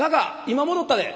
今戻ったで」。